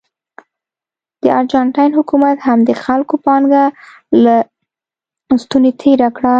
د ارجنټاین حکومت هم د خلکو پانګه له ستونې تېره کړه.